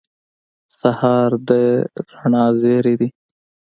سهار د رڼا زېری دی.